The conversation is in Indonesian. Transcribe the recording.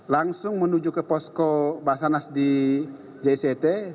langsung menuju ke posko basarnas di jct